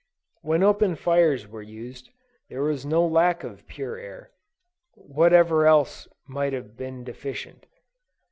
When open fires were used, there was no lack of pure air, whatever else might have been deficient.